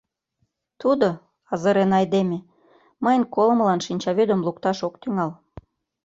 Тудо, азырен айдеме, мыйын колымылан шинчавӱдым лукташ ок тӱҥал.